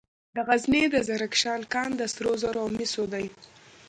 د غزني د زرکشان کان د سرو زرو او مسو دی.